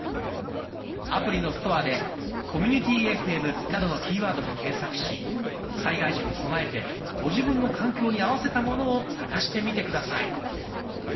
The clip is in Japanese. アプリのストアで「コミュニティＦＭ」などのキーワードで検索し災害時に備えてご自分の環境に合わせたものを探してみて下さい。